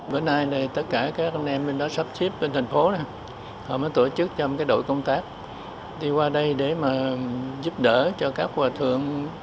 bữa nay tất cả các anh em mình đã sắp xếp trên thành phố họ mới tổ chức trong cái đội công tác đi qua đây để mà giúp đỡ cho các hòa thượng